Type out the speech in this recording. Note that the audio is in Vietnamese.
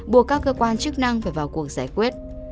buộc các cơ quan chức năng phải vào cuộc giải quyết